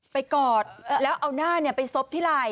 ไปกอดแล้วเอาหน้าไปทรบที่หลัย